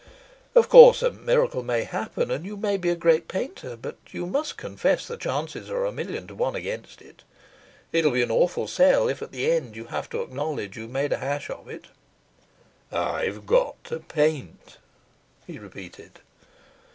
"Of course a miracle may happen, and you may be a great painter, but you must confess the chances are a million to one against it. It'll be an awful sell if at the end you have to acknowledge you've made a hash of it." "I've got to paint," he repeated.